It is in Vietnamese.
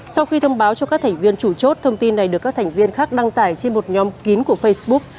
sau khi thông báo cho các thành viên chủ chốt thông tin này được các thành viên khác đăng tải trên một nhóm kín của facebook